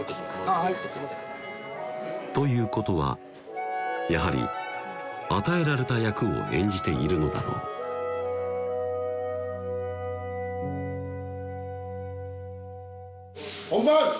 あぁはいということはやはり与えられた役を演じているのだろう本番！